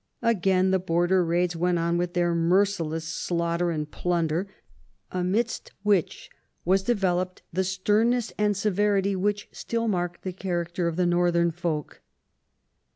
Again the Border raids went on with their merciless slaughter and plunder, amidst which was developed the sternness and severity which still mark the character of the northern folk.